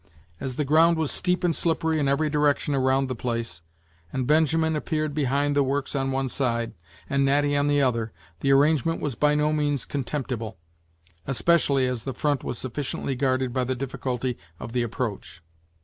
As the ground was steep and slippery in every direction around the place, and Benjamin appeared behind the works on one side, and Natty on the other, the arrangement was by no means contemptible, especially as the front was sufficiently guarded by the difficulty of the approach.